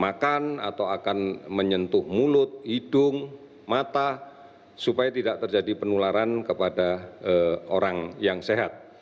makan atau akan menyentuh mulut hidung mata supaya tidak terjadi penularan kepada orang yang sehat